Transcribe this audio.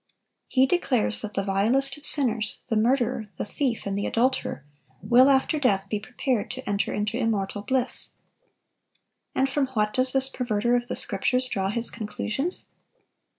He declares that the vilest of sinners,—the murderer, the thief, and the adulterer,—will after death be prepared to enter into immortal bliss. And from what does this perverter of the Scriptures draw his conclusions?